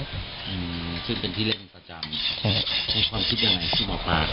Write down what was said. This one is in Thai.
อืมซึ่งเป็นที่เล่นประจำใช่ความคิดยังไงที่หมอปลา